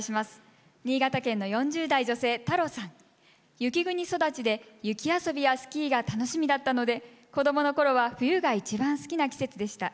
雪国育ちで雪遊びやスキーが楽しみだったので子どものころは冬が一番好きな季節でした。